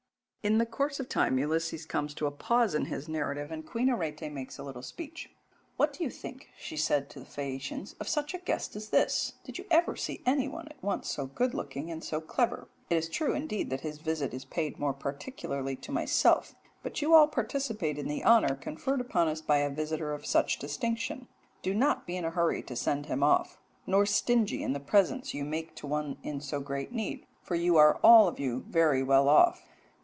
'" In the course of time Ulysses comes to a pause in his narrative and Queen Arete makes a little speech. "'What do you think,' she said to the Phaeacians, 'of such a guest as this? Did you ever see anyone at once so good looking and so clever? It is true, indeed, that his visit is paid more particularly to myself, but you all participate in the honour conferred upon us by a visitor of such distinction. Do not be in a hurry to send him off, nor stingy in the presents you make to one in so great need; for you are all of you very well off.'"